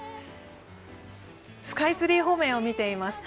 スカイツリー方面を見ています。